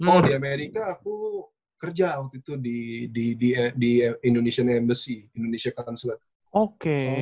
oh di amerika aku kerja waktu itu di indonesian embassy indonesia consulate